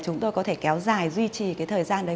chúng tôi có thể kéo dài duy trì cái thời gian đấy